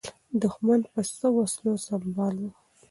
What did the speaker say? دښمن په څه وسلو سمبال و؟